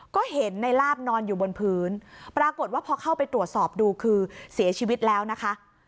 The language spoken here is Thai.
ก็เห็นในลาบนอนอยู่บนพื้นปรากฏว่าพอเข้าไปตรวจสอบดูคือเสียชีวิตแล้วนะคะ